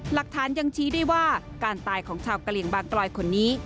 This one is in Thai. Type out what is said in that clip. หลักฐานยังชี้ได้ว่าการตายของชาวกะเหลี่ยงบางกรอยคนนี้